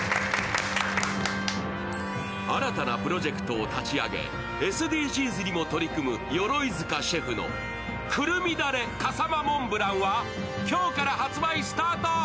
新たなプロジェクトを立ち上げ、ＳＤＧｓにも取り組む鎧塚シェフのくるみだれ笠間モンブランは今日から発売スタート。